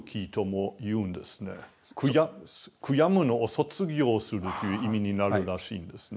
悔やむのを卒業するという意味になるらしいんですね。